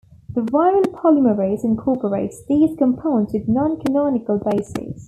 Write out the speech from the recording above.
The viral polymerase incorporates these compounds with non-canonical bases.